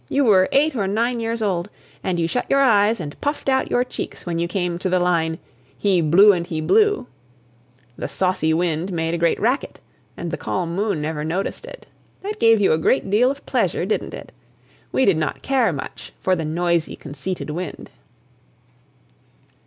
You were eight or nine years old, and you shut your eyes and puffed out your cheeks when you came to the line "He blew and He blew." The saucy wind made a great racket and the calm moon never noticed it. That gave you a great deal of pleasure, didn't it? We did not care much for the noisy, conceited wind.